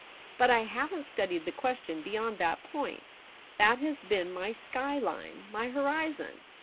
But I haven't studied the question beyond that point. That has been my sky Hne, my horizon.